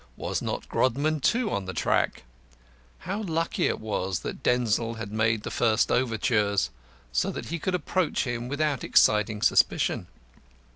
Was not Grodman, too, on the track? How lucky it was that Denzil had made the first overtures, so that he could approach him without exciting suspicion.